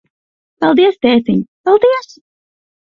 Paldies, tētiņ, paldies.